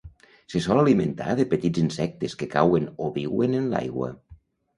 Se sol alimentar de petits insectes que cauen o viuen en l'aigua.